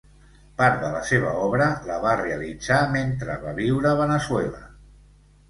Part de la seva obra la va realitzar mentre va viure a Veneçuela.